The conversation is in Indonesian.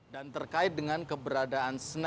dan terkait dengan keberadaan sejarah